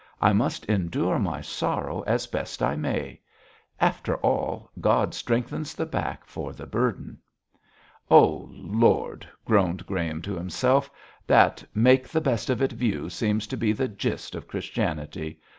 I must endure my sorrow as best I may. After all, God strengthens the back for the burden.' 'Oh, Lord!' groaned Graham to himself, 'that make the best of it view seems to be the gist of Christianity.